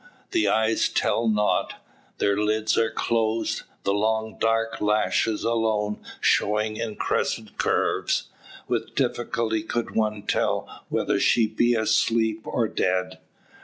The eyes tell nought; their lids are closed, the long dark lashes alone showing in crescent curves. With difficulty could one tell whether she be asleep, or dead.